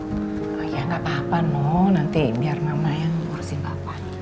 oh ya gak apa apa no nanti biar mama yang ngurusin bapak